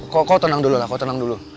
kok kau tenang dulu lah kau tenang dulu